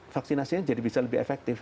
vaksinasinya jadi bisa lebih efektif